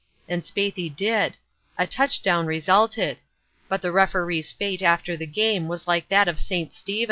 And Spaethy did. A touchdown resulted. But the Referee's fate after the game was like that of St. Stephen he was stoned."